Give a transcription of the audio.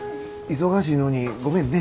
忙しいのにごめんね。